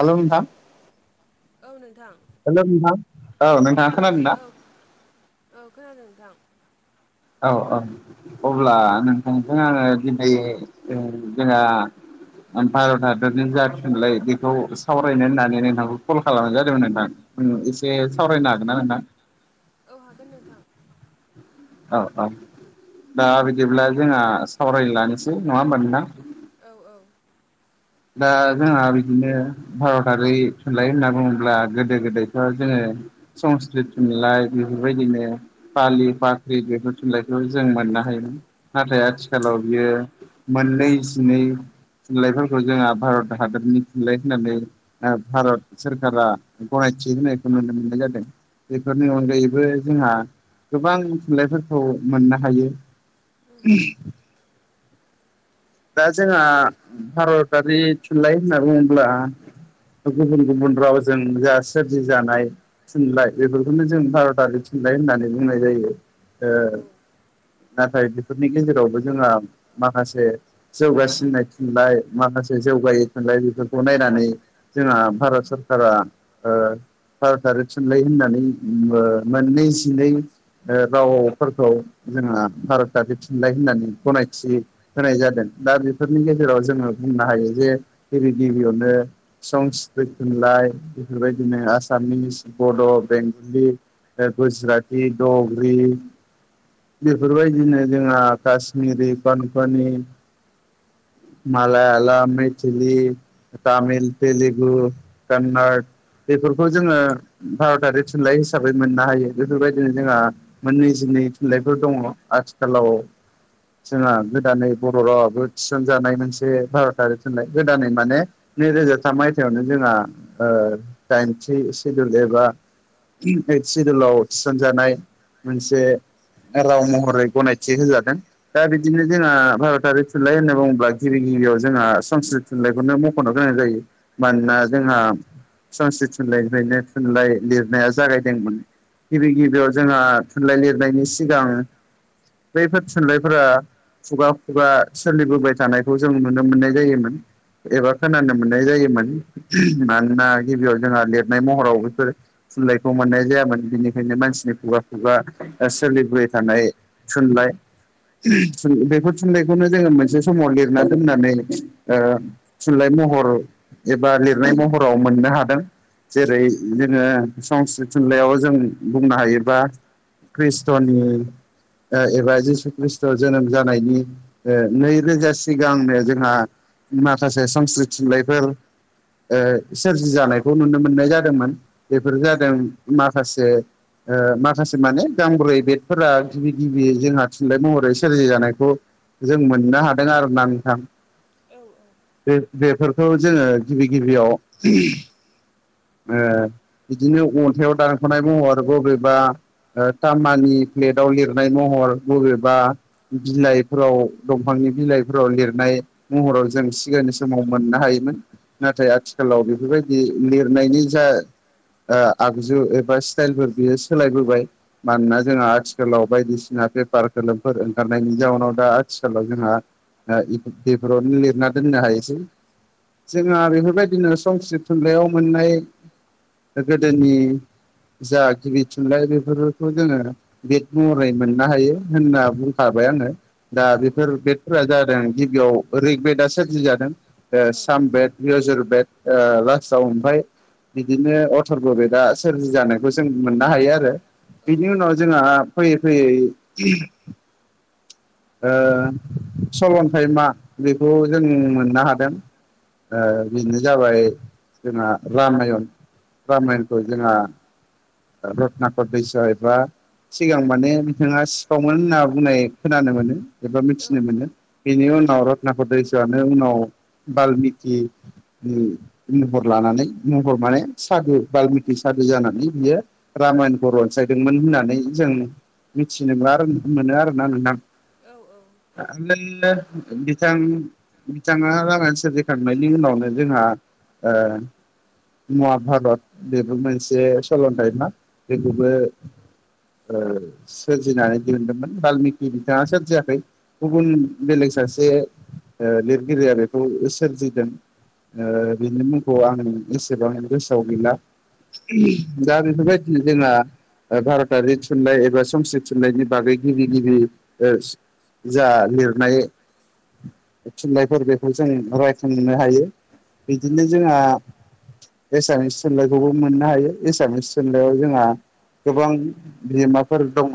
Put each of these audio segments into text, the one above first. हेल' नोंथां औ नोंथां हेल' नोंथां औ नोंथाङा खोनादों ना। औ औ खोनादों नोंथां। औ औ अब्ला नोंथांजों आङो दिनै जोंहा भारत हादरनि जाथिनलाय बेखौ सावरायनो होननानै नोंथांखौ कल खालामनाय जादोंमोन नोंथां। एसे सावरायनो हागोन ना नोंथां। अ औ हागोन नोंथां। औ औ दा बिदिब्ला जोंहा सावरायलानोसै नङा होमबा नोंथां। औ-औ दा जोंहा बिदिनो भारतारि थुनलाइ होनना बुङोब्ला गोदो गोदायथ' जोङो। संस्कृत थुनलाइ बेफोरबायदिनो फालि फाख्रि बेफोर थुनलाइखौ जों मोननो हायोमोन नाथाय आथिखालाव बियो मोननै जिनै थुनलाइफोरखौ जोंहा भारत हादरनि थुनलाइ होननानै भारत सोरखारा गनायथि होनायखौ नुनो मोननाय जादों। बेफोरनि अनगायैबो जोंहा गोबां थुनलाइफोरखौ मोननो हायो। उम [unintelligible] दा जोंहा भारतारि थुनलाइ होनना बुङोब्ला गुबुन गुबुन रावजों जा सोरजि जानाय थुनलाइ बेफोरखौनो जों भारतारि थिनलाइ होननानै बुंनाय जायो। औ ओ औ नाथाय बेफोरनि गेजेरावबो जोंहा माखासे जौगासिननाय थुनलाय माखासे जौगायोै थुनलाय बेफोरखौ नायनानै जोंहा भारत सरकारा ओ भारतारि थुनलाइ होननानै मोननै जिनै रावफोरखौ जोंहा भारतारि थुनलाय होननानै गनायथि होनाय जादों। दा बेफोरनि गेजेराव जोङो बुंनो हायो जे गिबि गिबियावनो संस्कृत थुनलाइ बेफोरबायदिनो आसामिस बड' बेंगलि। गुजराथि दग्रि बेफोरबायदिनो जोंहा काश्मिरि कनकनि मालायालाम, मेथलि, तामिल तेलेगु कन्नड बेफोरखौ जोङो भारतारि थुनलाइ हिसाबै मोननो हायो बेफोरबायदिनो जोंहा मोन नैजिनै थुनलाइफोर दङ आथिखालाव जोंहा गोदानै बर' राव थिसनजानाय मोनसे भारतारि थुनलाइ गोदानै माने नैरोजा थाम मायथाइयावनो जोंहा ओ दाइनथि सिदुल एबा ओइथ सिदुलाव थिसनजानाय मोनसे राव महरै गनायथि होजादों दा बिदिनो जोंहा भारतारि थुनलाइ होनना बुङोब्ला गिबि गिबियाव जोंहा संस्कृत थुनलाइखौनो मखनो गोनां जायो। मानोना जोंहा संस्कृत थुनलाइफ्रायनो थुनलाइ लिरनाया जागायदोंमोन। गिबि गिबियाव जोंहा थुनलाइ लिरनायनि सिगां बैफोर थुनलाइफोरा खुगा खुगा सोलिबोबाय थानायखौ जों नुनो मोननाय जायोमोन। एबा खोनानो मोननाय जायोमोन मानोना गिबियाव जोंहा लिरनाय महराव बेफोर थुनलाइखौ मोननाय जायामोन बिनिखायनो मानसिनि खुगा खुगा सोलिबोबाय थानाय थुनलाइ बेफोर थुनलाइ बेखौनो जोङो मोनसे समाव लिरना दोननानै ओ थुनलाइ महर एबा लिरनाय महराव मोननो हादों। जेरै जोङो संस्कृत थुनलाइयाव जों बुंनो हायोबा कृष्टनि ओ एबा जिसु खृष्ट' जोनोम जानायनि ओ नै रोजा सिगांनो जोंहा माखासे संस्कृत थुनलाइफोर ओ सोरजि जानायखौ नुनो मोननाय जादोंमोन बेफोर जादों माखासे ओ माखासे माने गांब्रै बेदफोरा गिबि गिबि जोंहा थुनलाइ महरै सोरजि जानायखौ जों मोननो हादों आरोना नोंथां औ औ बे बेफोरखौ जोङो गिबि गिबियाव ओ बिदिनो अन्थाइाव दानख'नाय महर बबेबा ओ तामानि प्लेटाव लिरनाय महर बबेबा बिलाइफोराव दंफांनि बिलाइफोराव लिरनाय महराव जों सिगांनि समाव मोननो हायोमोन। नाथाय आथिखालाव बेफोरबायदि लिरनायनि जा ओ आगजु एबा स्टाइलफोर बियो सोलायबोबाय। मानोना जोंहा आथिखालाव बायदिसिना पेपार खोलोमफोर ओंखारनायनि जाउनाव दा आथिखालाव जोंहा ओ इ बेफोरावनो लिरना दोननो हायोसै। जोंहा बेफोरबायदिनो संकृत थुनलाइयाव मोननाय गोदोनि जा गिबि थुनलाइ बेफोरखौथ' जोङो बेद महरै मोननो हायो होनना बुंखाबाय आङो। दा औ बेफोर बेडफोरा जादों गिबियाव रिक बेदआ सोरजि जादों ओ साम बेड यजुर बेड ओ लास्टआव ओमफ्राय बिदिनो अथर्व बेड आ सोरजि जानायखौ जों मोननो हायोआरो। औ बिनि औ उनाव जोंहा फैयै फैयै ओ सल'न्थाइ मा बेखौ जों मोननो हादों। ओ बेनो जाबाय जोंना रामायण। रामायनखौ जोंहा रतनाकर दैस'एबा सिगां माने बिथाङा सिखावमोन होनना बुंनाय खोनानो मोनो एबा औ मिथिनो मोनो। बेनि औ उनाव रतनाकर दैस'आनो उनाव बाल्मिकि नि महर लानानै महर माने सादु बाल्मिकि सादु जानानै बियो रामायणखौ रनसायदोंमोन होननानै जों मिथिनो मोनो आरोना नोंथां। औ औ। [unintelligible] बिथाङा रामायण सोरजिखांनायनि उनावनो जोंहा ओ महाभारत बेबो मोनसे सलन्थाइमा बेखौबो ओ सोरजिनानै दिहुनदोंमोन बालमिकि बिथाङा सोर जियाखै गुबुन बेलेग सासे ओ लिरगिरिया बेखौ सोरजिदों। ओ बिनि मुंखौ आं एसेबां गोसोआव गैला। दा बेफोरबायदिनो जोंहा ओ भारतारि थुनलाय एबा संस्कृत थुनलाइनायनि बागै गिबि गिबि ओ जा लिरनाय थुनलाइफोर बेखौ जों रायखांनो हायो। औ बिदिनो जोंहा एसामिस थुनलाइखौबो मोननो हायो। एसामिस थुनलायाव जोंहा गोबां बिहोमाफोर दङ'।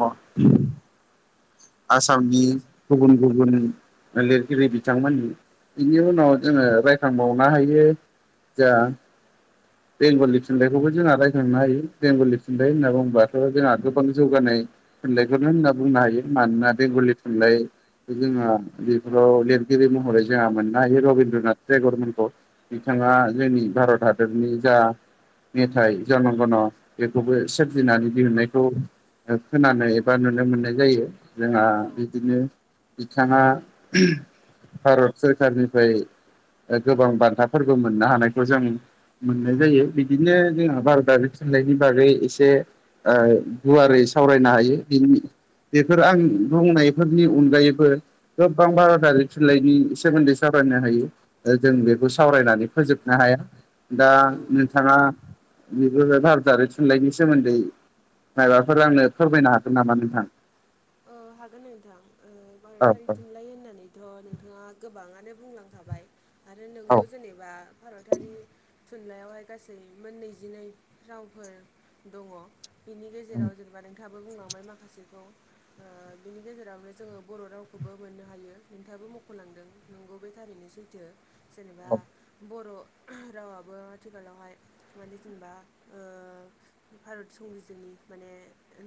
आसामनि गुबुन गुबुन लिरगिरि बिथांमोननि बेनि उनाव जोङो रायखांबावनो हायो जोंहा बेंगलि थुनलाइखौबो जोंहा रायखांनो हायो। बेंगललि थुनलाइ होनना औ बुङोबाथ' जोंहा गोबां जौगानाय थुनलाइखौनो होनना बुंनो हायो मानोना बेंगलि थुनलाइ जोंहा बेफोराव लिरगिरि महरै जोंहा मोननो हायो रबिन्द्रनाथ ट्रेगरमोनखौ। बिथाङा जोंनि भारत हादरनि जा मेथाइ जनगन' बेखौबो सोरजिनानै दिहुनन्नायखौ खोनानो एबा नुनो मोननाय जायो। जोंहा बिदिनो बिथाङा भारत सोरखारारनिफ्राय ओ गोबां बान्थाफोरबो मोननो हानायखौ जों मोननाय जायो बिदिनो जोंहा भारतारि थुनलाइनि बागै एसे ओ गुवारै सावरायनो हायो। बि सोर आं बुंनायफोरनि अनगायैबो गोबां भारतारि थुनलाइनि सोमोन्दै सावरायनो हायो। ओ जों बेखौ सावरायनानै फोजोबनो हाया। दा औ नोंथाङा बेफोर भारजारि थुनलाइनि सोमोन्दै माइबाफोर आंनो फोरमायनो हागोन नामा नोंथां? ओ हागोन नोंथां। ओ औ भारतारि थुनलाइ होननानै थ' नोंथाङा गोबाङानो बुंलांखाबाय आरो औ नोंगौ जेनेबा भारतारि थुनलाइयावहाय गासै मोन नैजिनै रावफोर दङ बिनि गेजेराव जों एबा नोंथाङाबो बुंलांबाय माखासेखौ। ओ बिनि गेजेरावनो जोङो बर' रावखौबो मोननो हायो नोंथाङाबो मख'लांदों। नंगौ बे थारैनो सैथो जेनेबा बर' रावाबो आथिखालावहाय माने जेनेबा ओ भारत संबिजिरनि माने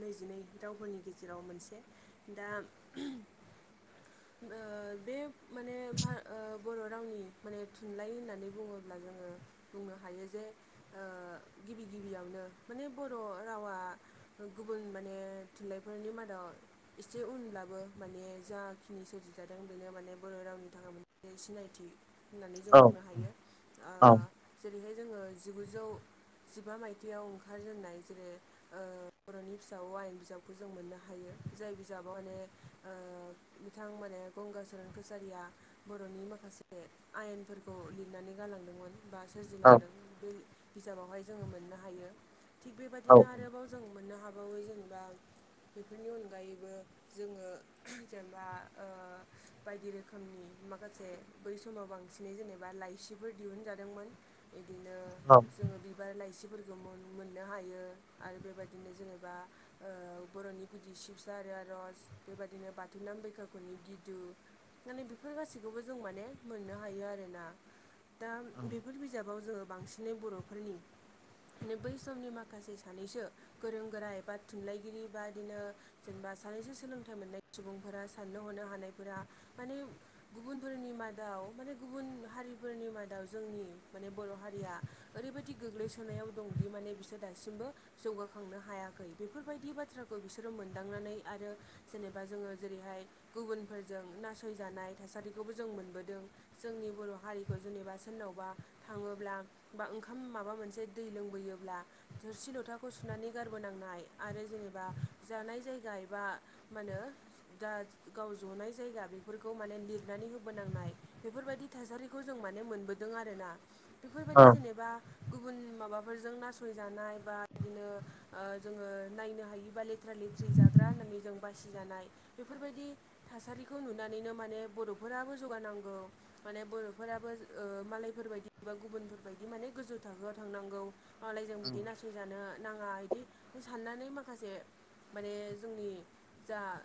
नैजिनै रावफोरनि गेजेराव मोनसे। दा ओ बे माने भा ओ बर' रावनि माने थुनलाइ होननानै बुङोब्ला जोङो बुंनो हायो जे ओ गिबि गिबियावनो माने बर' रावा गुबुन माने थुनलाइफोरनि मादाव एसे उनब्लाबो माने जा सोरजिजादों बेनो माने बर' रावनि थाखाय मोनसे सिनायथि। होननानै जों बुंनो हायो। ओ औ जेरैहाय जोङो जिगुजौ जिबा मायथायाव ओंखारजेननाय जेरै ओ बर'नि फिसा आयेन बिजाबखौ जों मोननो हायो जाय बिजाबावहायनो ओ बिथां मोने गंगचरन कसारिया बर'नि माखासे आयेनफोरखौ लिरनानै गालांदोंमोन। बा औ सोरजिलांदों बे बिजाबावहाय जोङो मोननो हायो थिग औ बेबायाददिनो आरोबाव जों मोननो हाबावो जेनेबा बेफोरनि अनगायैबो जोङो जेनेबा ओ बायदि रोखोमनि माखासे बै समाव बांसिनै जेनेबा लाइसि फोर दिहुनजादोंमोन बिदिनो औ जोङो बिबार लाइसिफोरखौ मोनमोननो हायो आरो बेबायदिनो जेनेबा बर'नि गुदि सिबसा आरो आर'ज बेबादिनो बाथौनोम बैखाखौनि गिद माने बेफोर गासैखौबो जों माने मोननो हायो आरोना दा बेफोर बिजाब खौ जोङो बांसिनै बर'फोरनि माने बै समनि माखासे सानैसो गोरों-गोरा एबा थुनलाइगिरि बादिनो जेनेबा सानैसो सोलोंथाइ मोननाय सुबुंफोरा साननो ह'नो हानायफोरा माने गुबुनफोरनि मादाव माने गुबुन हारिफोरनि मादाव जोंनि माने बर' हारिया ओरैबायदि गोग्लैसोनायाव दंदि माने बिसोर दासिमबो जौगाखांनो हायाखै। बेफोरबायदि बाथ्राखौ बिसोरो मोनदांनानै आरो जेनेबा जोङो जेरैहाय गुबुनफोरजों नासयजानाय थासारिखौबो जों मोनबोदों। जोंनि बर' हारिखौ जेनेबा सोरनावबा थाङोब्ला बा ओंखाम माबा मोनसे दै लोंबोयोब्ला। थोरसि ल'थाखौ सुनानै गारबोनांनाय आरो जेनेबा जानाय जायगा एबा मानो दा गाव जनाय जायगा बेफोरखौ माने लिरनानै होबोनांनाय बेफोरबायदि थासारिखौ जों माने मोनबोदों आरोना, बेफोरबायदि जेनेबा- गुबुन माबाफोरजों नासयजानाय बा बिदिनो- जोङो नायनो हायिबा लेथ्रा-लेथ्रि जाग्रा होननानै जों बासिजानाय बेफोरबायदि- थासारिखौ नुनानैनो माने बर'फोराबो जौगानांगौ। माने बर'फोराबो ओ मालायफोरबायदि एबा गुबुनफोरबायदि माने गोजौ थाखोआव थांनांगौ। मालायजों बिदि नास- यजानो नाङा बिदि साननानै माखासे माने जोंनि- जा-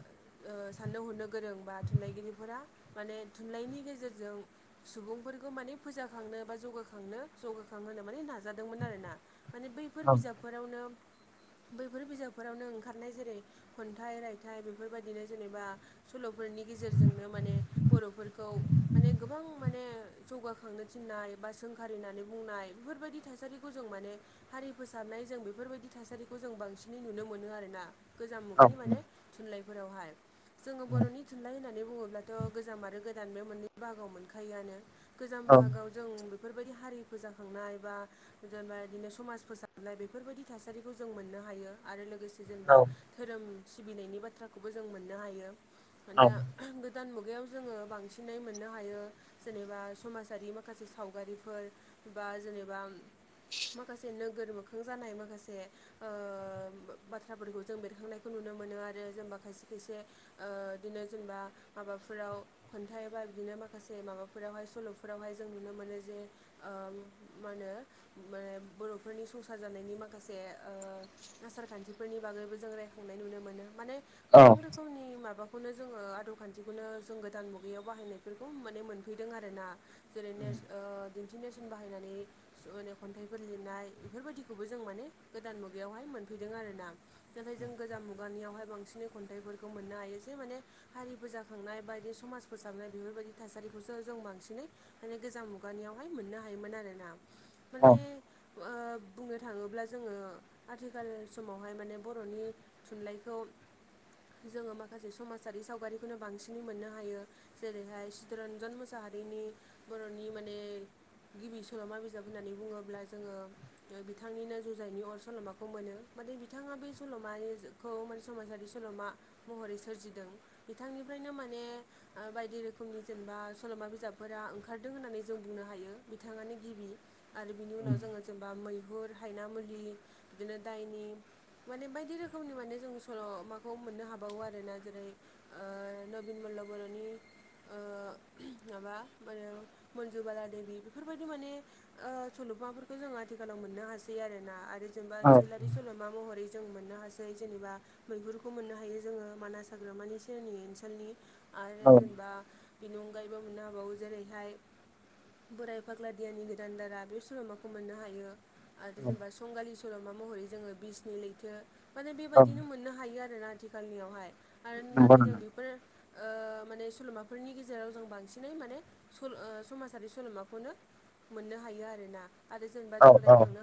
साननो हनो गोरों बा थुनलाइगिरिफोरा माने थुनलाइनि गेजेरजों- सुबुंफोरखौ माने फोजाखांनो बा जौगाखांनो-जौगाखांहोनो माने नाजादोंमोन आरोना। माने बैफोर बिजाबफोरावनो बैफोर बिजाबफोरावनो ओंखारनाय। जेरै-खन्थाइ राय- थाइ बेफोरबायदिनो जेनेबा सल'फोरनि गेजेरजोंनो माने बर'फोरखौ- माने गोबां माने जौगाखांनो थिननाय बा सोंखारिनानै बुंनाय बेफोरबायदि थासारि- खौ जों माने हारि फोसाबनाय जों बेफोरबायदि थासारिखौ जों बांसिनै नुनो मोनो आरोना। गोजाम मुगानि माने थुनलाइफोरावहाय। जोङो बर'नि- थुनलाइ होननानै बुङोब्लाथ' गोजाम आरो गोदान बे मोननै बाहागोआव मोनखायोआनो, गोजाम बाहागोआव- जों बेफोरबायदि हारि फोजाखांनाय बा- जेनेबा बिदिनो समाज फोसाबनाय बेफोरबायदि थासारिखौ जों मोननो हायो। आरो लोगोसे जेनेबा धोरोम सिबिनायनि बाथ्राखौबो जों मोननो हायो। मानोना- गोदान मुगायाव जोङो बांसिनै मोननो हायो। जेनेबा समाजारि माखासे सावगारिफोर बा जेनेबा- माखासे नोगोर मोखां जानाय माखासे- ओ बाथ्राफोरखौ जों बेरखांनायखौ नुनो मोनो आरो जेनेबा खायसे-खायसे बिदिनो जेनेबा माबाफोराव खन्थाइ बा बिदिनो माखासे माबाफोरावहाय सल'फोरावहाय जों नुनो मोनो जे- मा होनो बर'फोरनि संसार जानायनि माखासे- आसारखान्थिफोरनि बागैबो जों रायखांनाय नुनो मोनो। माने गोबां रोखोम- मनि माबाखौनो जोङो आदब खान्थिखौनो जों गोदान मुगायाव बाहायनायफोरखौ माने मोनफैदों आरो ना। जेरै दिन्थि नेरसोन बाहायनानै- माने खन्थाइफोर लिरनाय बेफोरबायदिखौबो जों माने गोदान मुगायावहाय मोनफैदों आरो ना। दिनै जों गोजाम मुगानियावहाय बांसिनै खन्थाइफोरखौ मोननो हायो जे माने- हारि फोजाखांनाय बायदि समाज फोसाबनाय बेफोरबायदि थासारिखौसो जों बांसिनै माने गोजाम मुगानियावहाय मोननो हायोमोन आरोना। माने बुंनो थाङोब्ला जोङो आथिखाल समावहाय माने बर'नि थुनलाइखौ जोङो माखासे समाजारि सावगारिखौनो बांसिनै मोननो हायो। जेरैहाय चित्तरन्जन मुसाहारिनि बर'नि माने गिबि सल'मा बिजाब होननानै बुङोब्ला जोङो बिथांनिनो ''जुजाइनि अर'' सल'माखौ मोनो। माने बिथाङा बे सल'माखौ माने समाजारि सल'मा महरै सोरजिदों। बिथांनिफ्रायनो माने बायदि रोखोमनि जेनेबा सल'मा बिजाबफोरा ओंखारदों होननानै जों बुंनो हायो बिथाङानो गिबि। आरो बिनि उनाव जोङो जेनेबा मैहुर, हायनामुलि, बिदिनो दाइनि माने बायदि रोखोमनि माने जों सल' माखौ मोननो हाबावो आरोना जेरै ओ नबिन मल्ल बर'नि माबा मानो ''मन्जुबाला देबि'' बेफोरबायदि माने ओ सल'माफोरखौ जों आथिखालाव मोननो हासै आरोना। आरो जेनेबा ओनसोलारि सल'मा महरै जों मोननो हासै जेनेबा मैहुरखौ मोननो हायो जोङो मानास हाग्रामानि सेरनि ओनसोलनि आरो जेनेबा बिनि अनगायैबो मोननो हाबावो जेरैहाय बोराइ फाग्लादियानि गोदान दारा बे सल'माखौ मोननो हायो। आरो जेनेबा संगालि सल'मा महरै जोङो बिसनि लैथो माने बेबायदिनो मोननो हायो। हायो आरोना आथिखालनियावहाय आरो नाथाय जों बेफोर ओ माने सल'माफोरनि गेजेराव जों बांसिनै माने स'ल ओ समाजारि सल'माखौनो मोननो हायो आरोना आरो जेनेबा जों रायखांनो हायो